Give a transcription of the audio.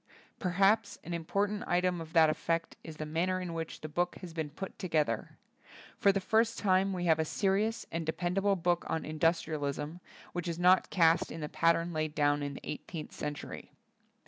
Perhaps an impor tant item of that effect is the manner in which the book has been put to gether. For the first time we have a serious and dependable book on indus trialism, which is not cast in the pat tern laid down in the eighteenth cen tury.